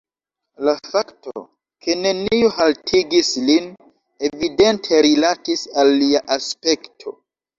La fakto, ke neniu haltigis lin, evidente rilatis al lia aspekto.